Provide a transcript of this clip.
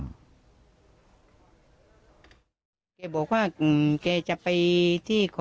แกบอกว่าแกจะไปที่คอ